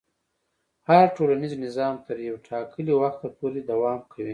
هر ټولنیز نظام تر یو ټاکلي وخته پورې دوام کوي.